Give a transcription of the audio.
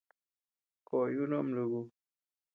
Koʼoy ú nuku ama núku.